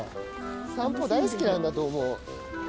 散歩大好きなんだと思う。